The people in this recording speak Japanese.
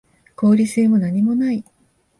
合理性もなにもない